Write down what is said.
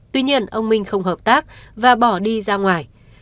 tuy nhiên ông minh không hợp tác và bỏ đi ra ngoài